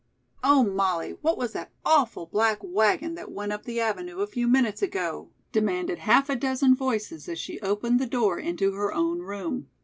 "Oh, Molly, what was that awful black wagon that went up the avenue a few minutes ago?" demanded half a dozen voices as she opened the door into her own room.